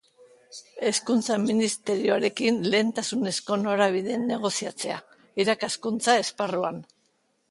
Hezkuntza Ministerioarekin lehentasunezko norabideen negoziatzea, irakaskuntza esparruan.